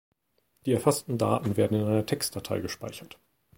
Die erfassten Daten werden in einer Textdatei gespeichert.